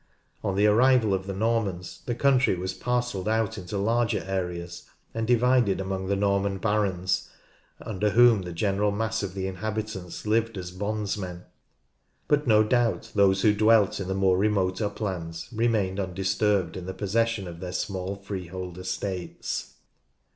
On the arrival of the Normans, the country was parcelled out into large areas, and divided among the Norman barons, under whom the general mass of the inhabitants lived as bondsmen, but no doubt those who dwelt in the more remote uplands remained undisturbed in the possession of their small freehold estates.